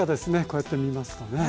こうやって見ますとね。